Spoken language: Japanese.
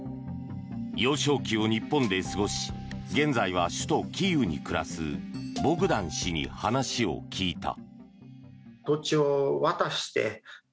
幼少期を日本で過ごし現在は首都キーウに暮らすボグダン氏に話を聞いた。